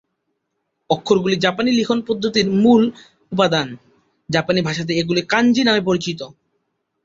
অক্ষরগুলি জাপানি লিখন পদ্ধতির মূল উপাদান; জাপানি ভাষাতে এগুলি কাঞ্জি নামে পরিচিত।